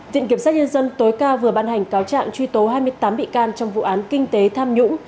tiện kiểm soát nhân dân tối ca vừa ban hành cáo trạng truy tố hai mươi tám bị can trong vụ án kinh tế tham nhũng